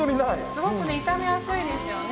すごく炒めやすいですよね。